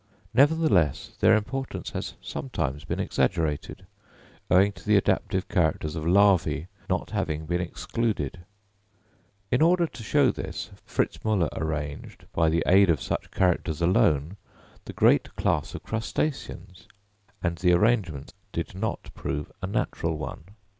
Nevertheless, their importance has sometimes been exaggerated, owing to the adaptive characters of larvæ not having been excluded; in order to show this, Fritz Müller arranged, by the aid of such characters alone, the great class of crustaceans, and the arrangement did not prove a natural one.